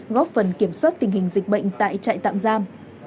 góp phần kiểm soát tình hình dịch bệnh tại trại tạm giam